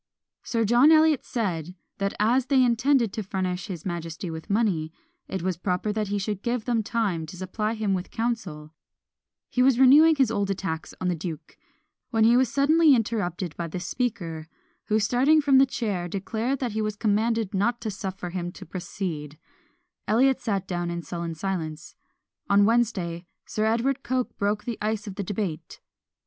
Sir John Eliot said, that as they intended to furnish his majesty with money, it was proper that he should give them time to supply him with counsel: he was renewing his old attacks on the duke, when he was suddenly interrupted by the Speaker, who, starting from the chair, declared that he was commanded not to suffer him to proceed; Eliot sat down in sullen silence. On Wednesday, Sir Edward Coke broke the ice of debate.